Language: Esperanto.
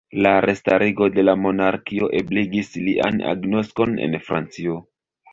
La restarigo de la monarkio ebligis lian agnoskon en Francio.